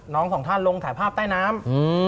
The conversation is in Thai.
ของท่านลงถ่ายภาพใต้น้ำ